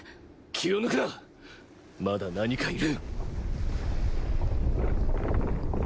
気を抜くなまだ何かいる。